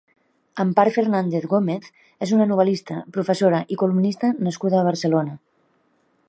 Empar Fernández Gómez és una novel·lista, professora i columnista nascuda a Barcelona.